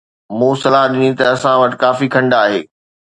مون صلاح ڏني ته اسان وٽ ڪافي کنڊ آهي